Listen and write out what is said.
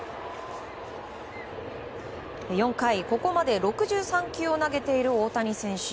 ４回、ここまで６３球を投げている大谷選手。